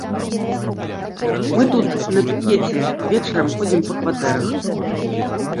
Мы тут на пікеце, вечарам ходзім па кватэрах.